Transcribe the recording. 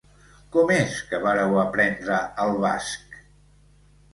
Com és que vàreu aprendre el basc?